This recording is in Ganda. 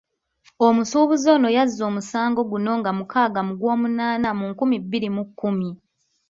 Omusuubuzi ono yazza omusango guno nga mukaaga mu Gwomunaana mu nkumi bbiri mu kkumi.